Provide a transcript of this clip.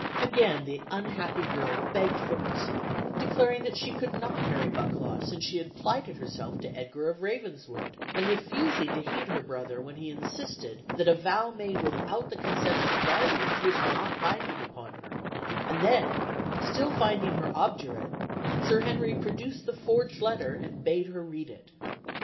Again the unhappy girl begged for mercy, declaring that she could not marry Bucklaw since she had plighted herself to Edgar of Ravenswood, and refusing to heed her brother when he insisted that a vow made without the consent of her guardians was not binding upon her; and then, still finding her obdurate, Sir Henry produced the forged letter and bade her read it.